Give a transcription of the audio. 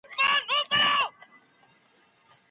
سریال نښې تعقیبېږي.